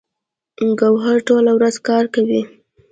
ګوهر ټوله ورځ کار کوي